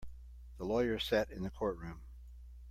The lawyer sat in the courtroom.